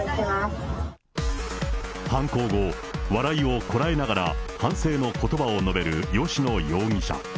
犯行後、笑いをこらえながら反省のことばを述べる吉野容疑者。